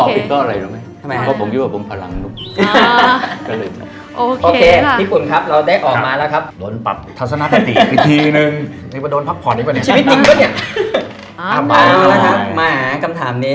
ผมก่อผิดก็อะไรรู้ไหม